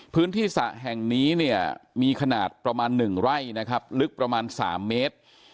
พื้นที่สระแห่งนี้เนี่ยมีขนาดประมาณหนึ่งไร่นะครับลึกประมาณสามเมตร